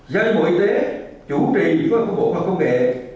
giao cho bộ y tế chủ trì phương hợp công nghệ